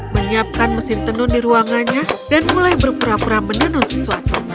menyiapkan mesin tenun di ruangannya dan mulai berpura pura menenun sesuatu